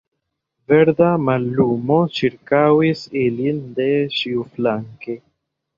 Verda mallumo ĉirkaŭis ilin de ĉiuflanke.